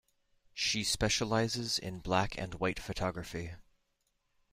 She specialises in black-and-white photography.